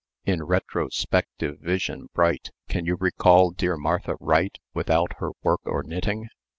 "In retrospective vision bright, Can you recall dear Martha Wright Without her work or knitting?